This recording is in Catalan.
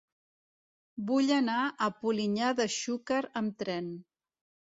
Vull anar a Polinyà de Xúquer amb tren.